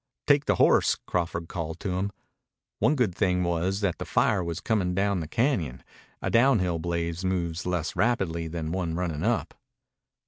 "Take the horse," Crawford called to him. One good thing was that the fire was coming down the cañon. A downhill blaze moves less rapidly than one running up.